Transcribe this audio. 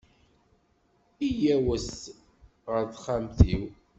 Iyyawet ɣer texxamt-iw.